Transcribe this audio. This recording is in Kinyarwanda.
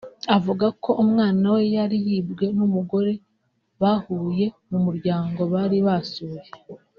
Avuga ko umwana we yari yibwe n’umugore bahuriye mu muryango bari basuye